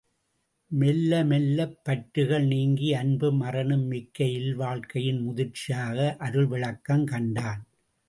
மெல்ல மெல்லப்பற்றுகள் நீங்கி அன்பும் அறனும் மிக்க இல்வாழ்க்கையின் முதிர்ச்சியாக அருள்விளக்கம் கண்டான்.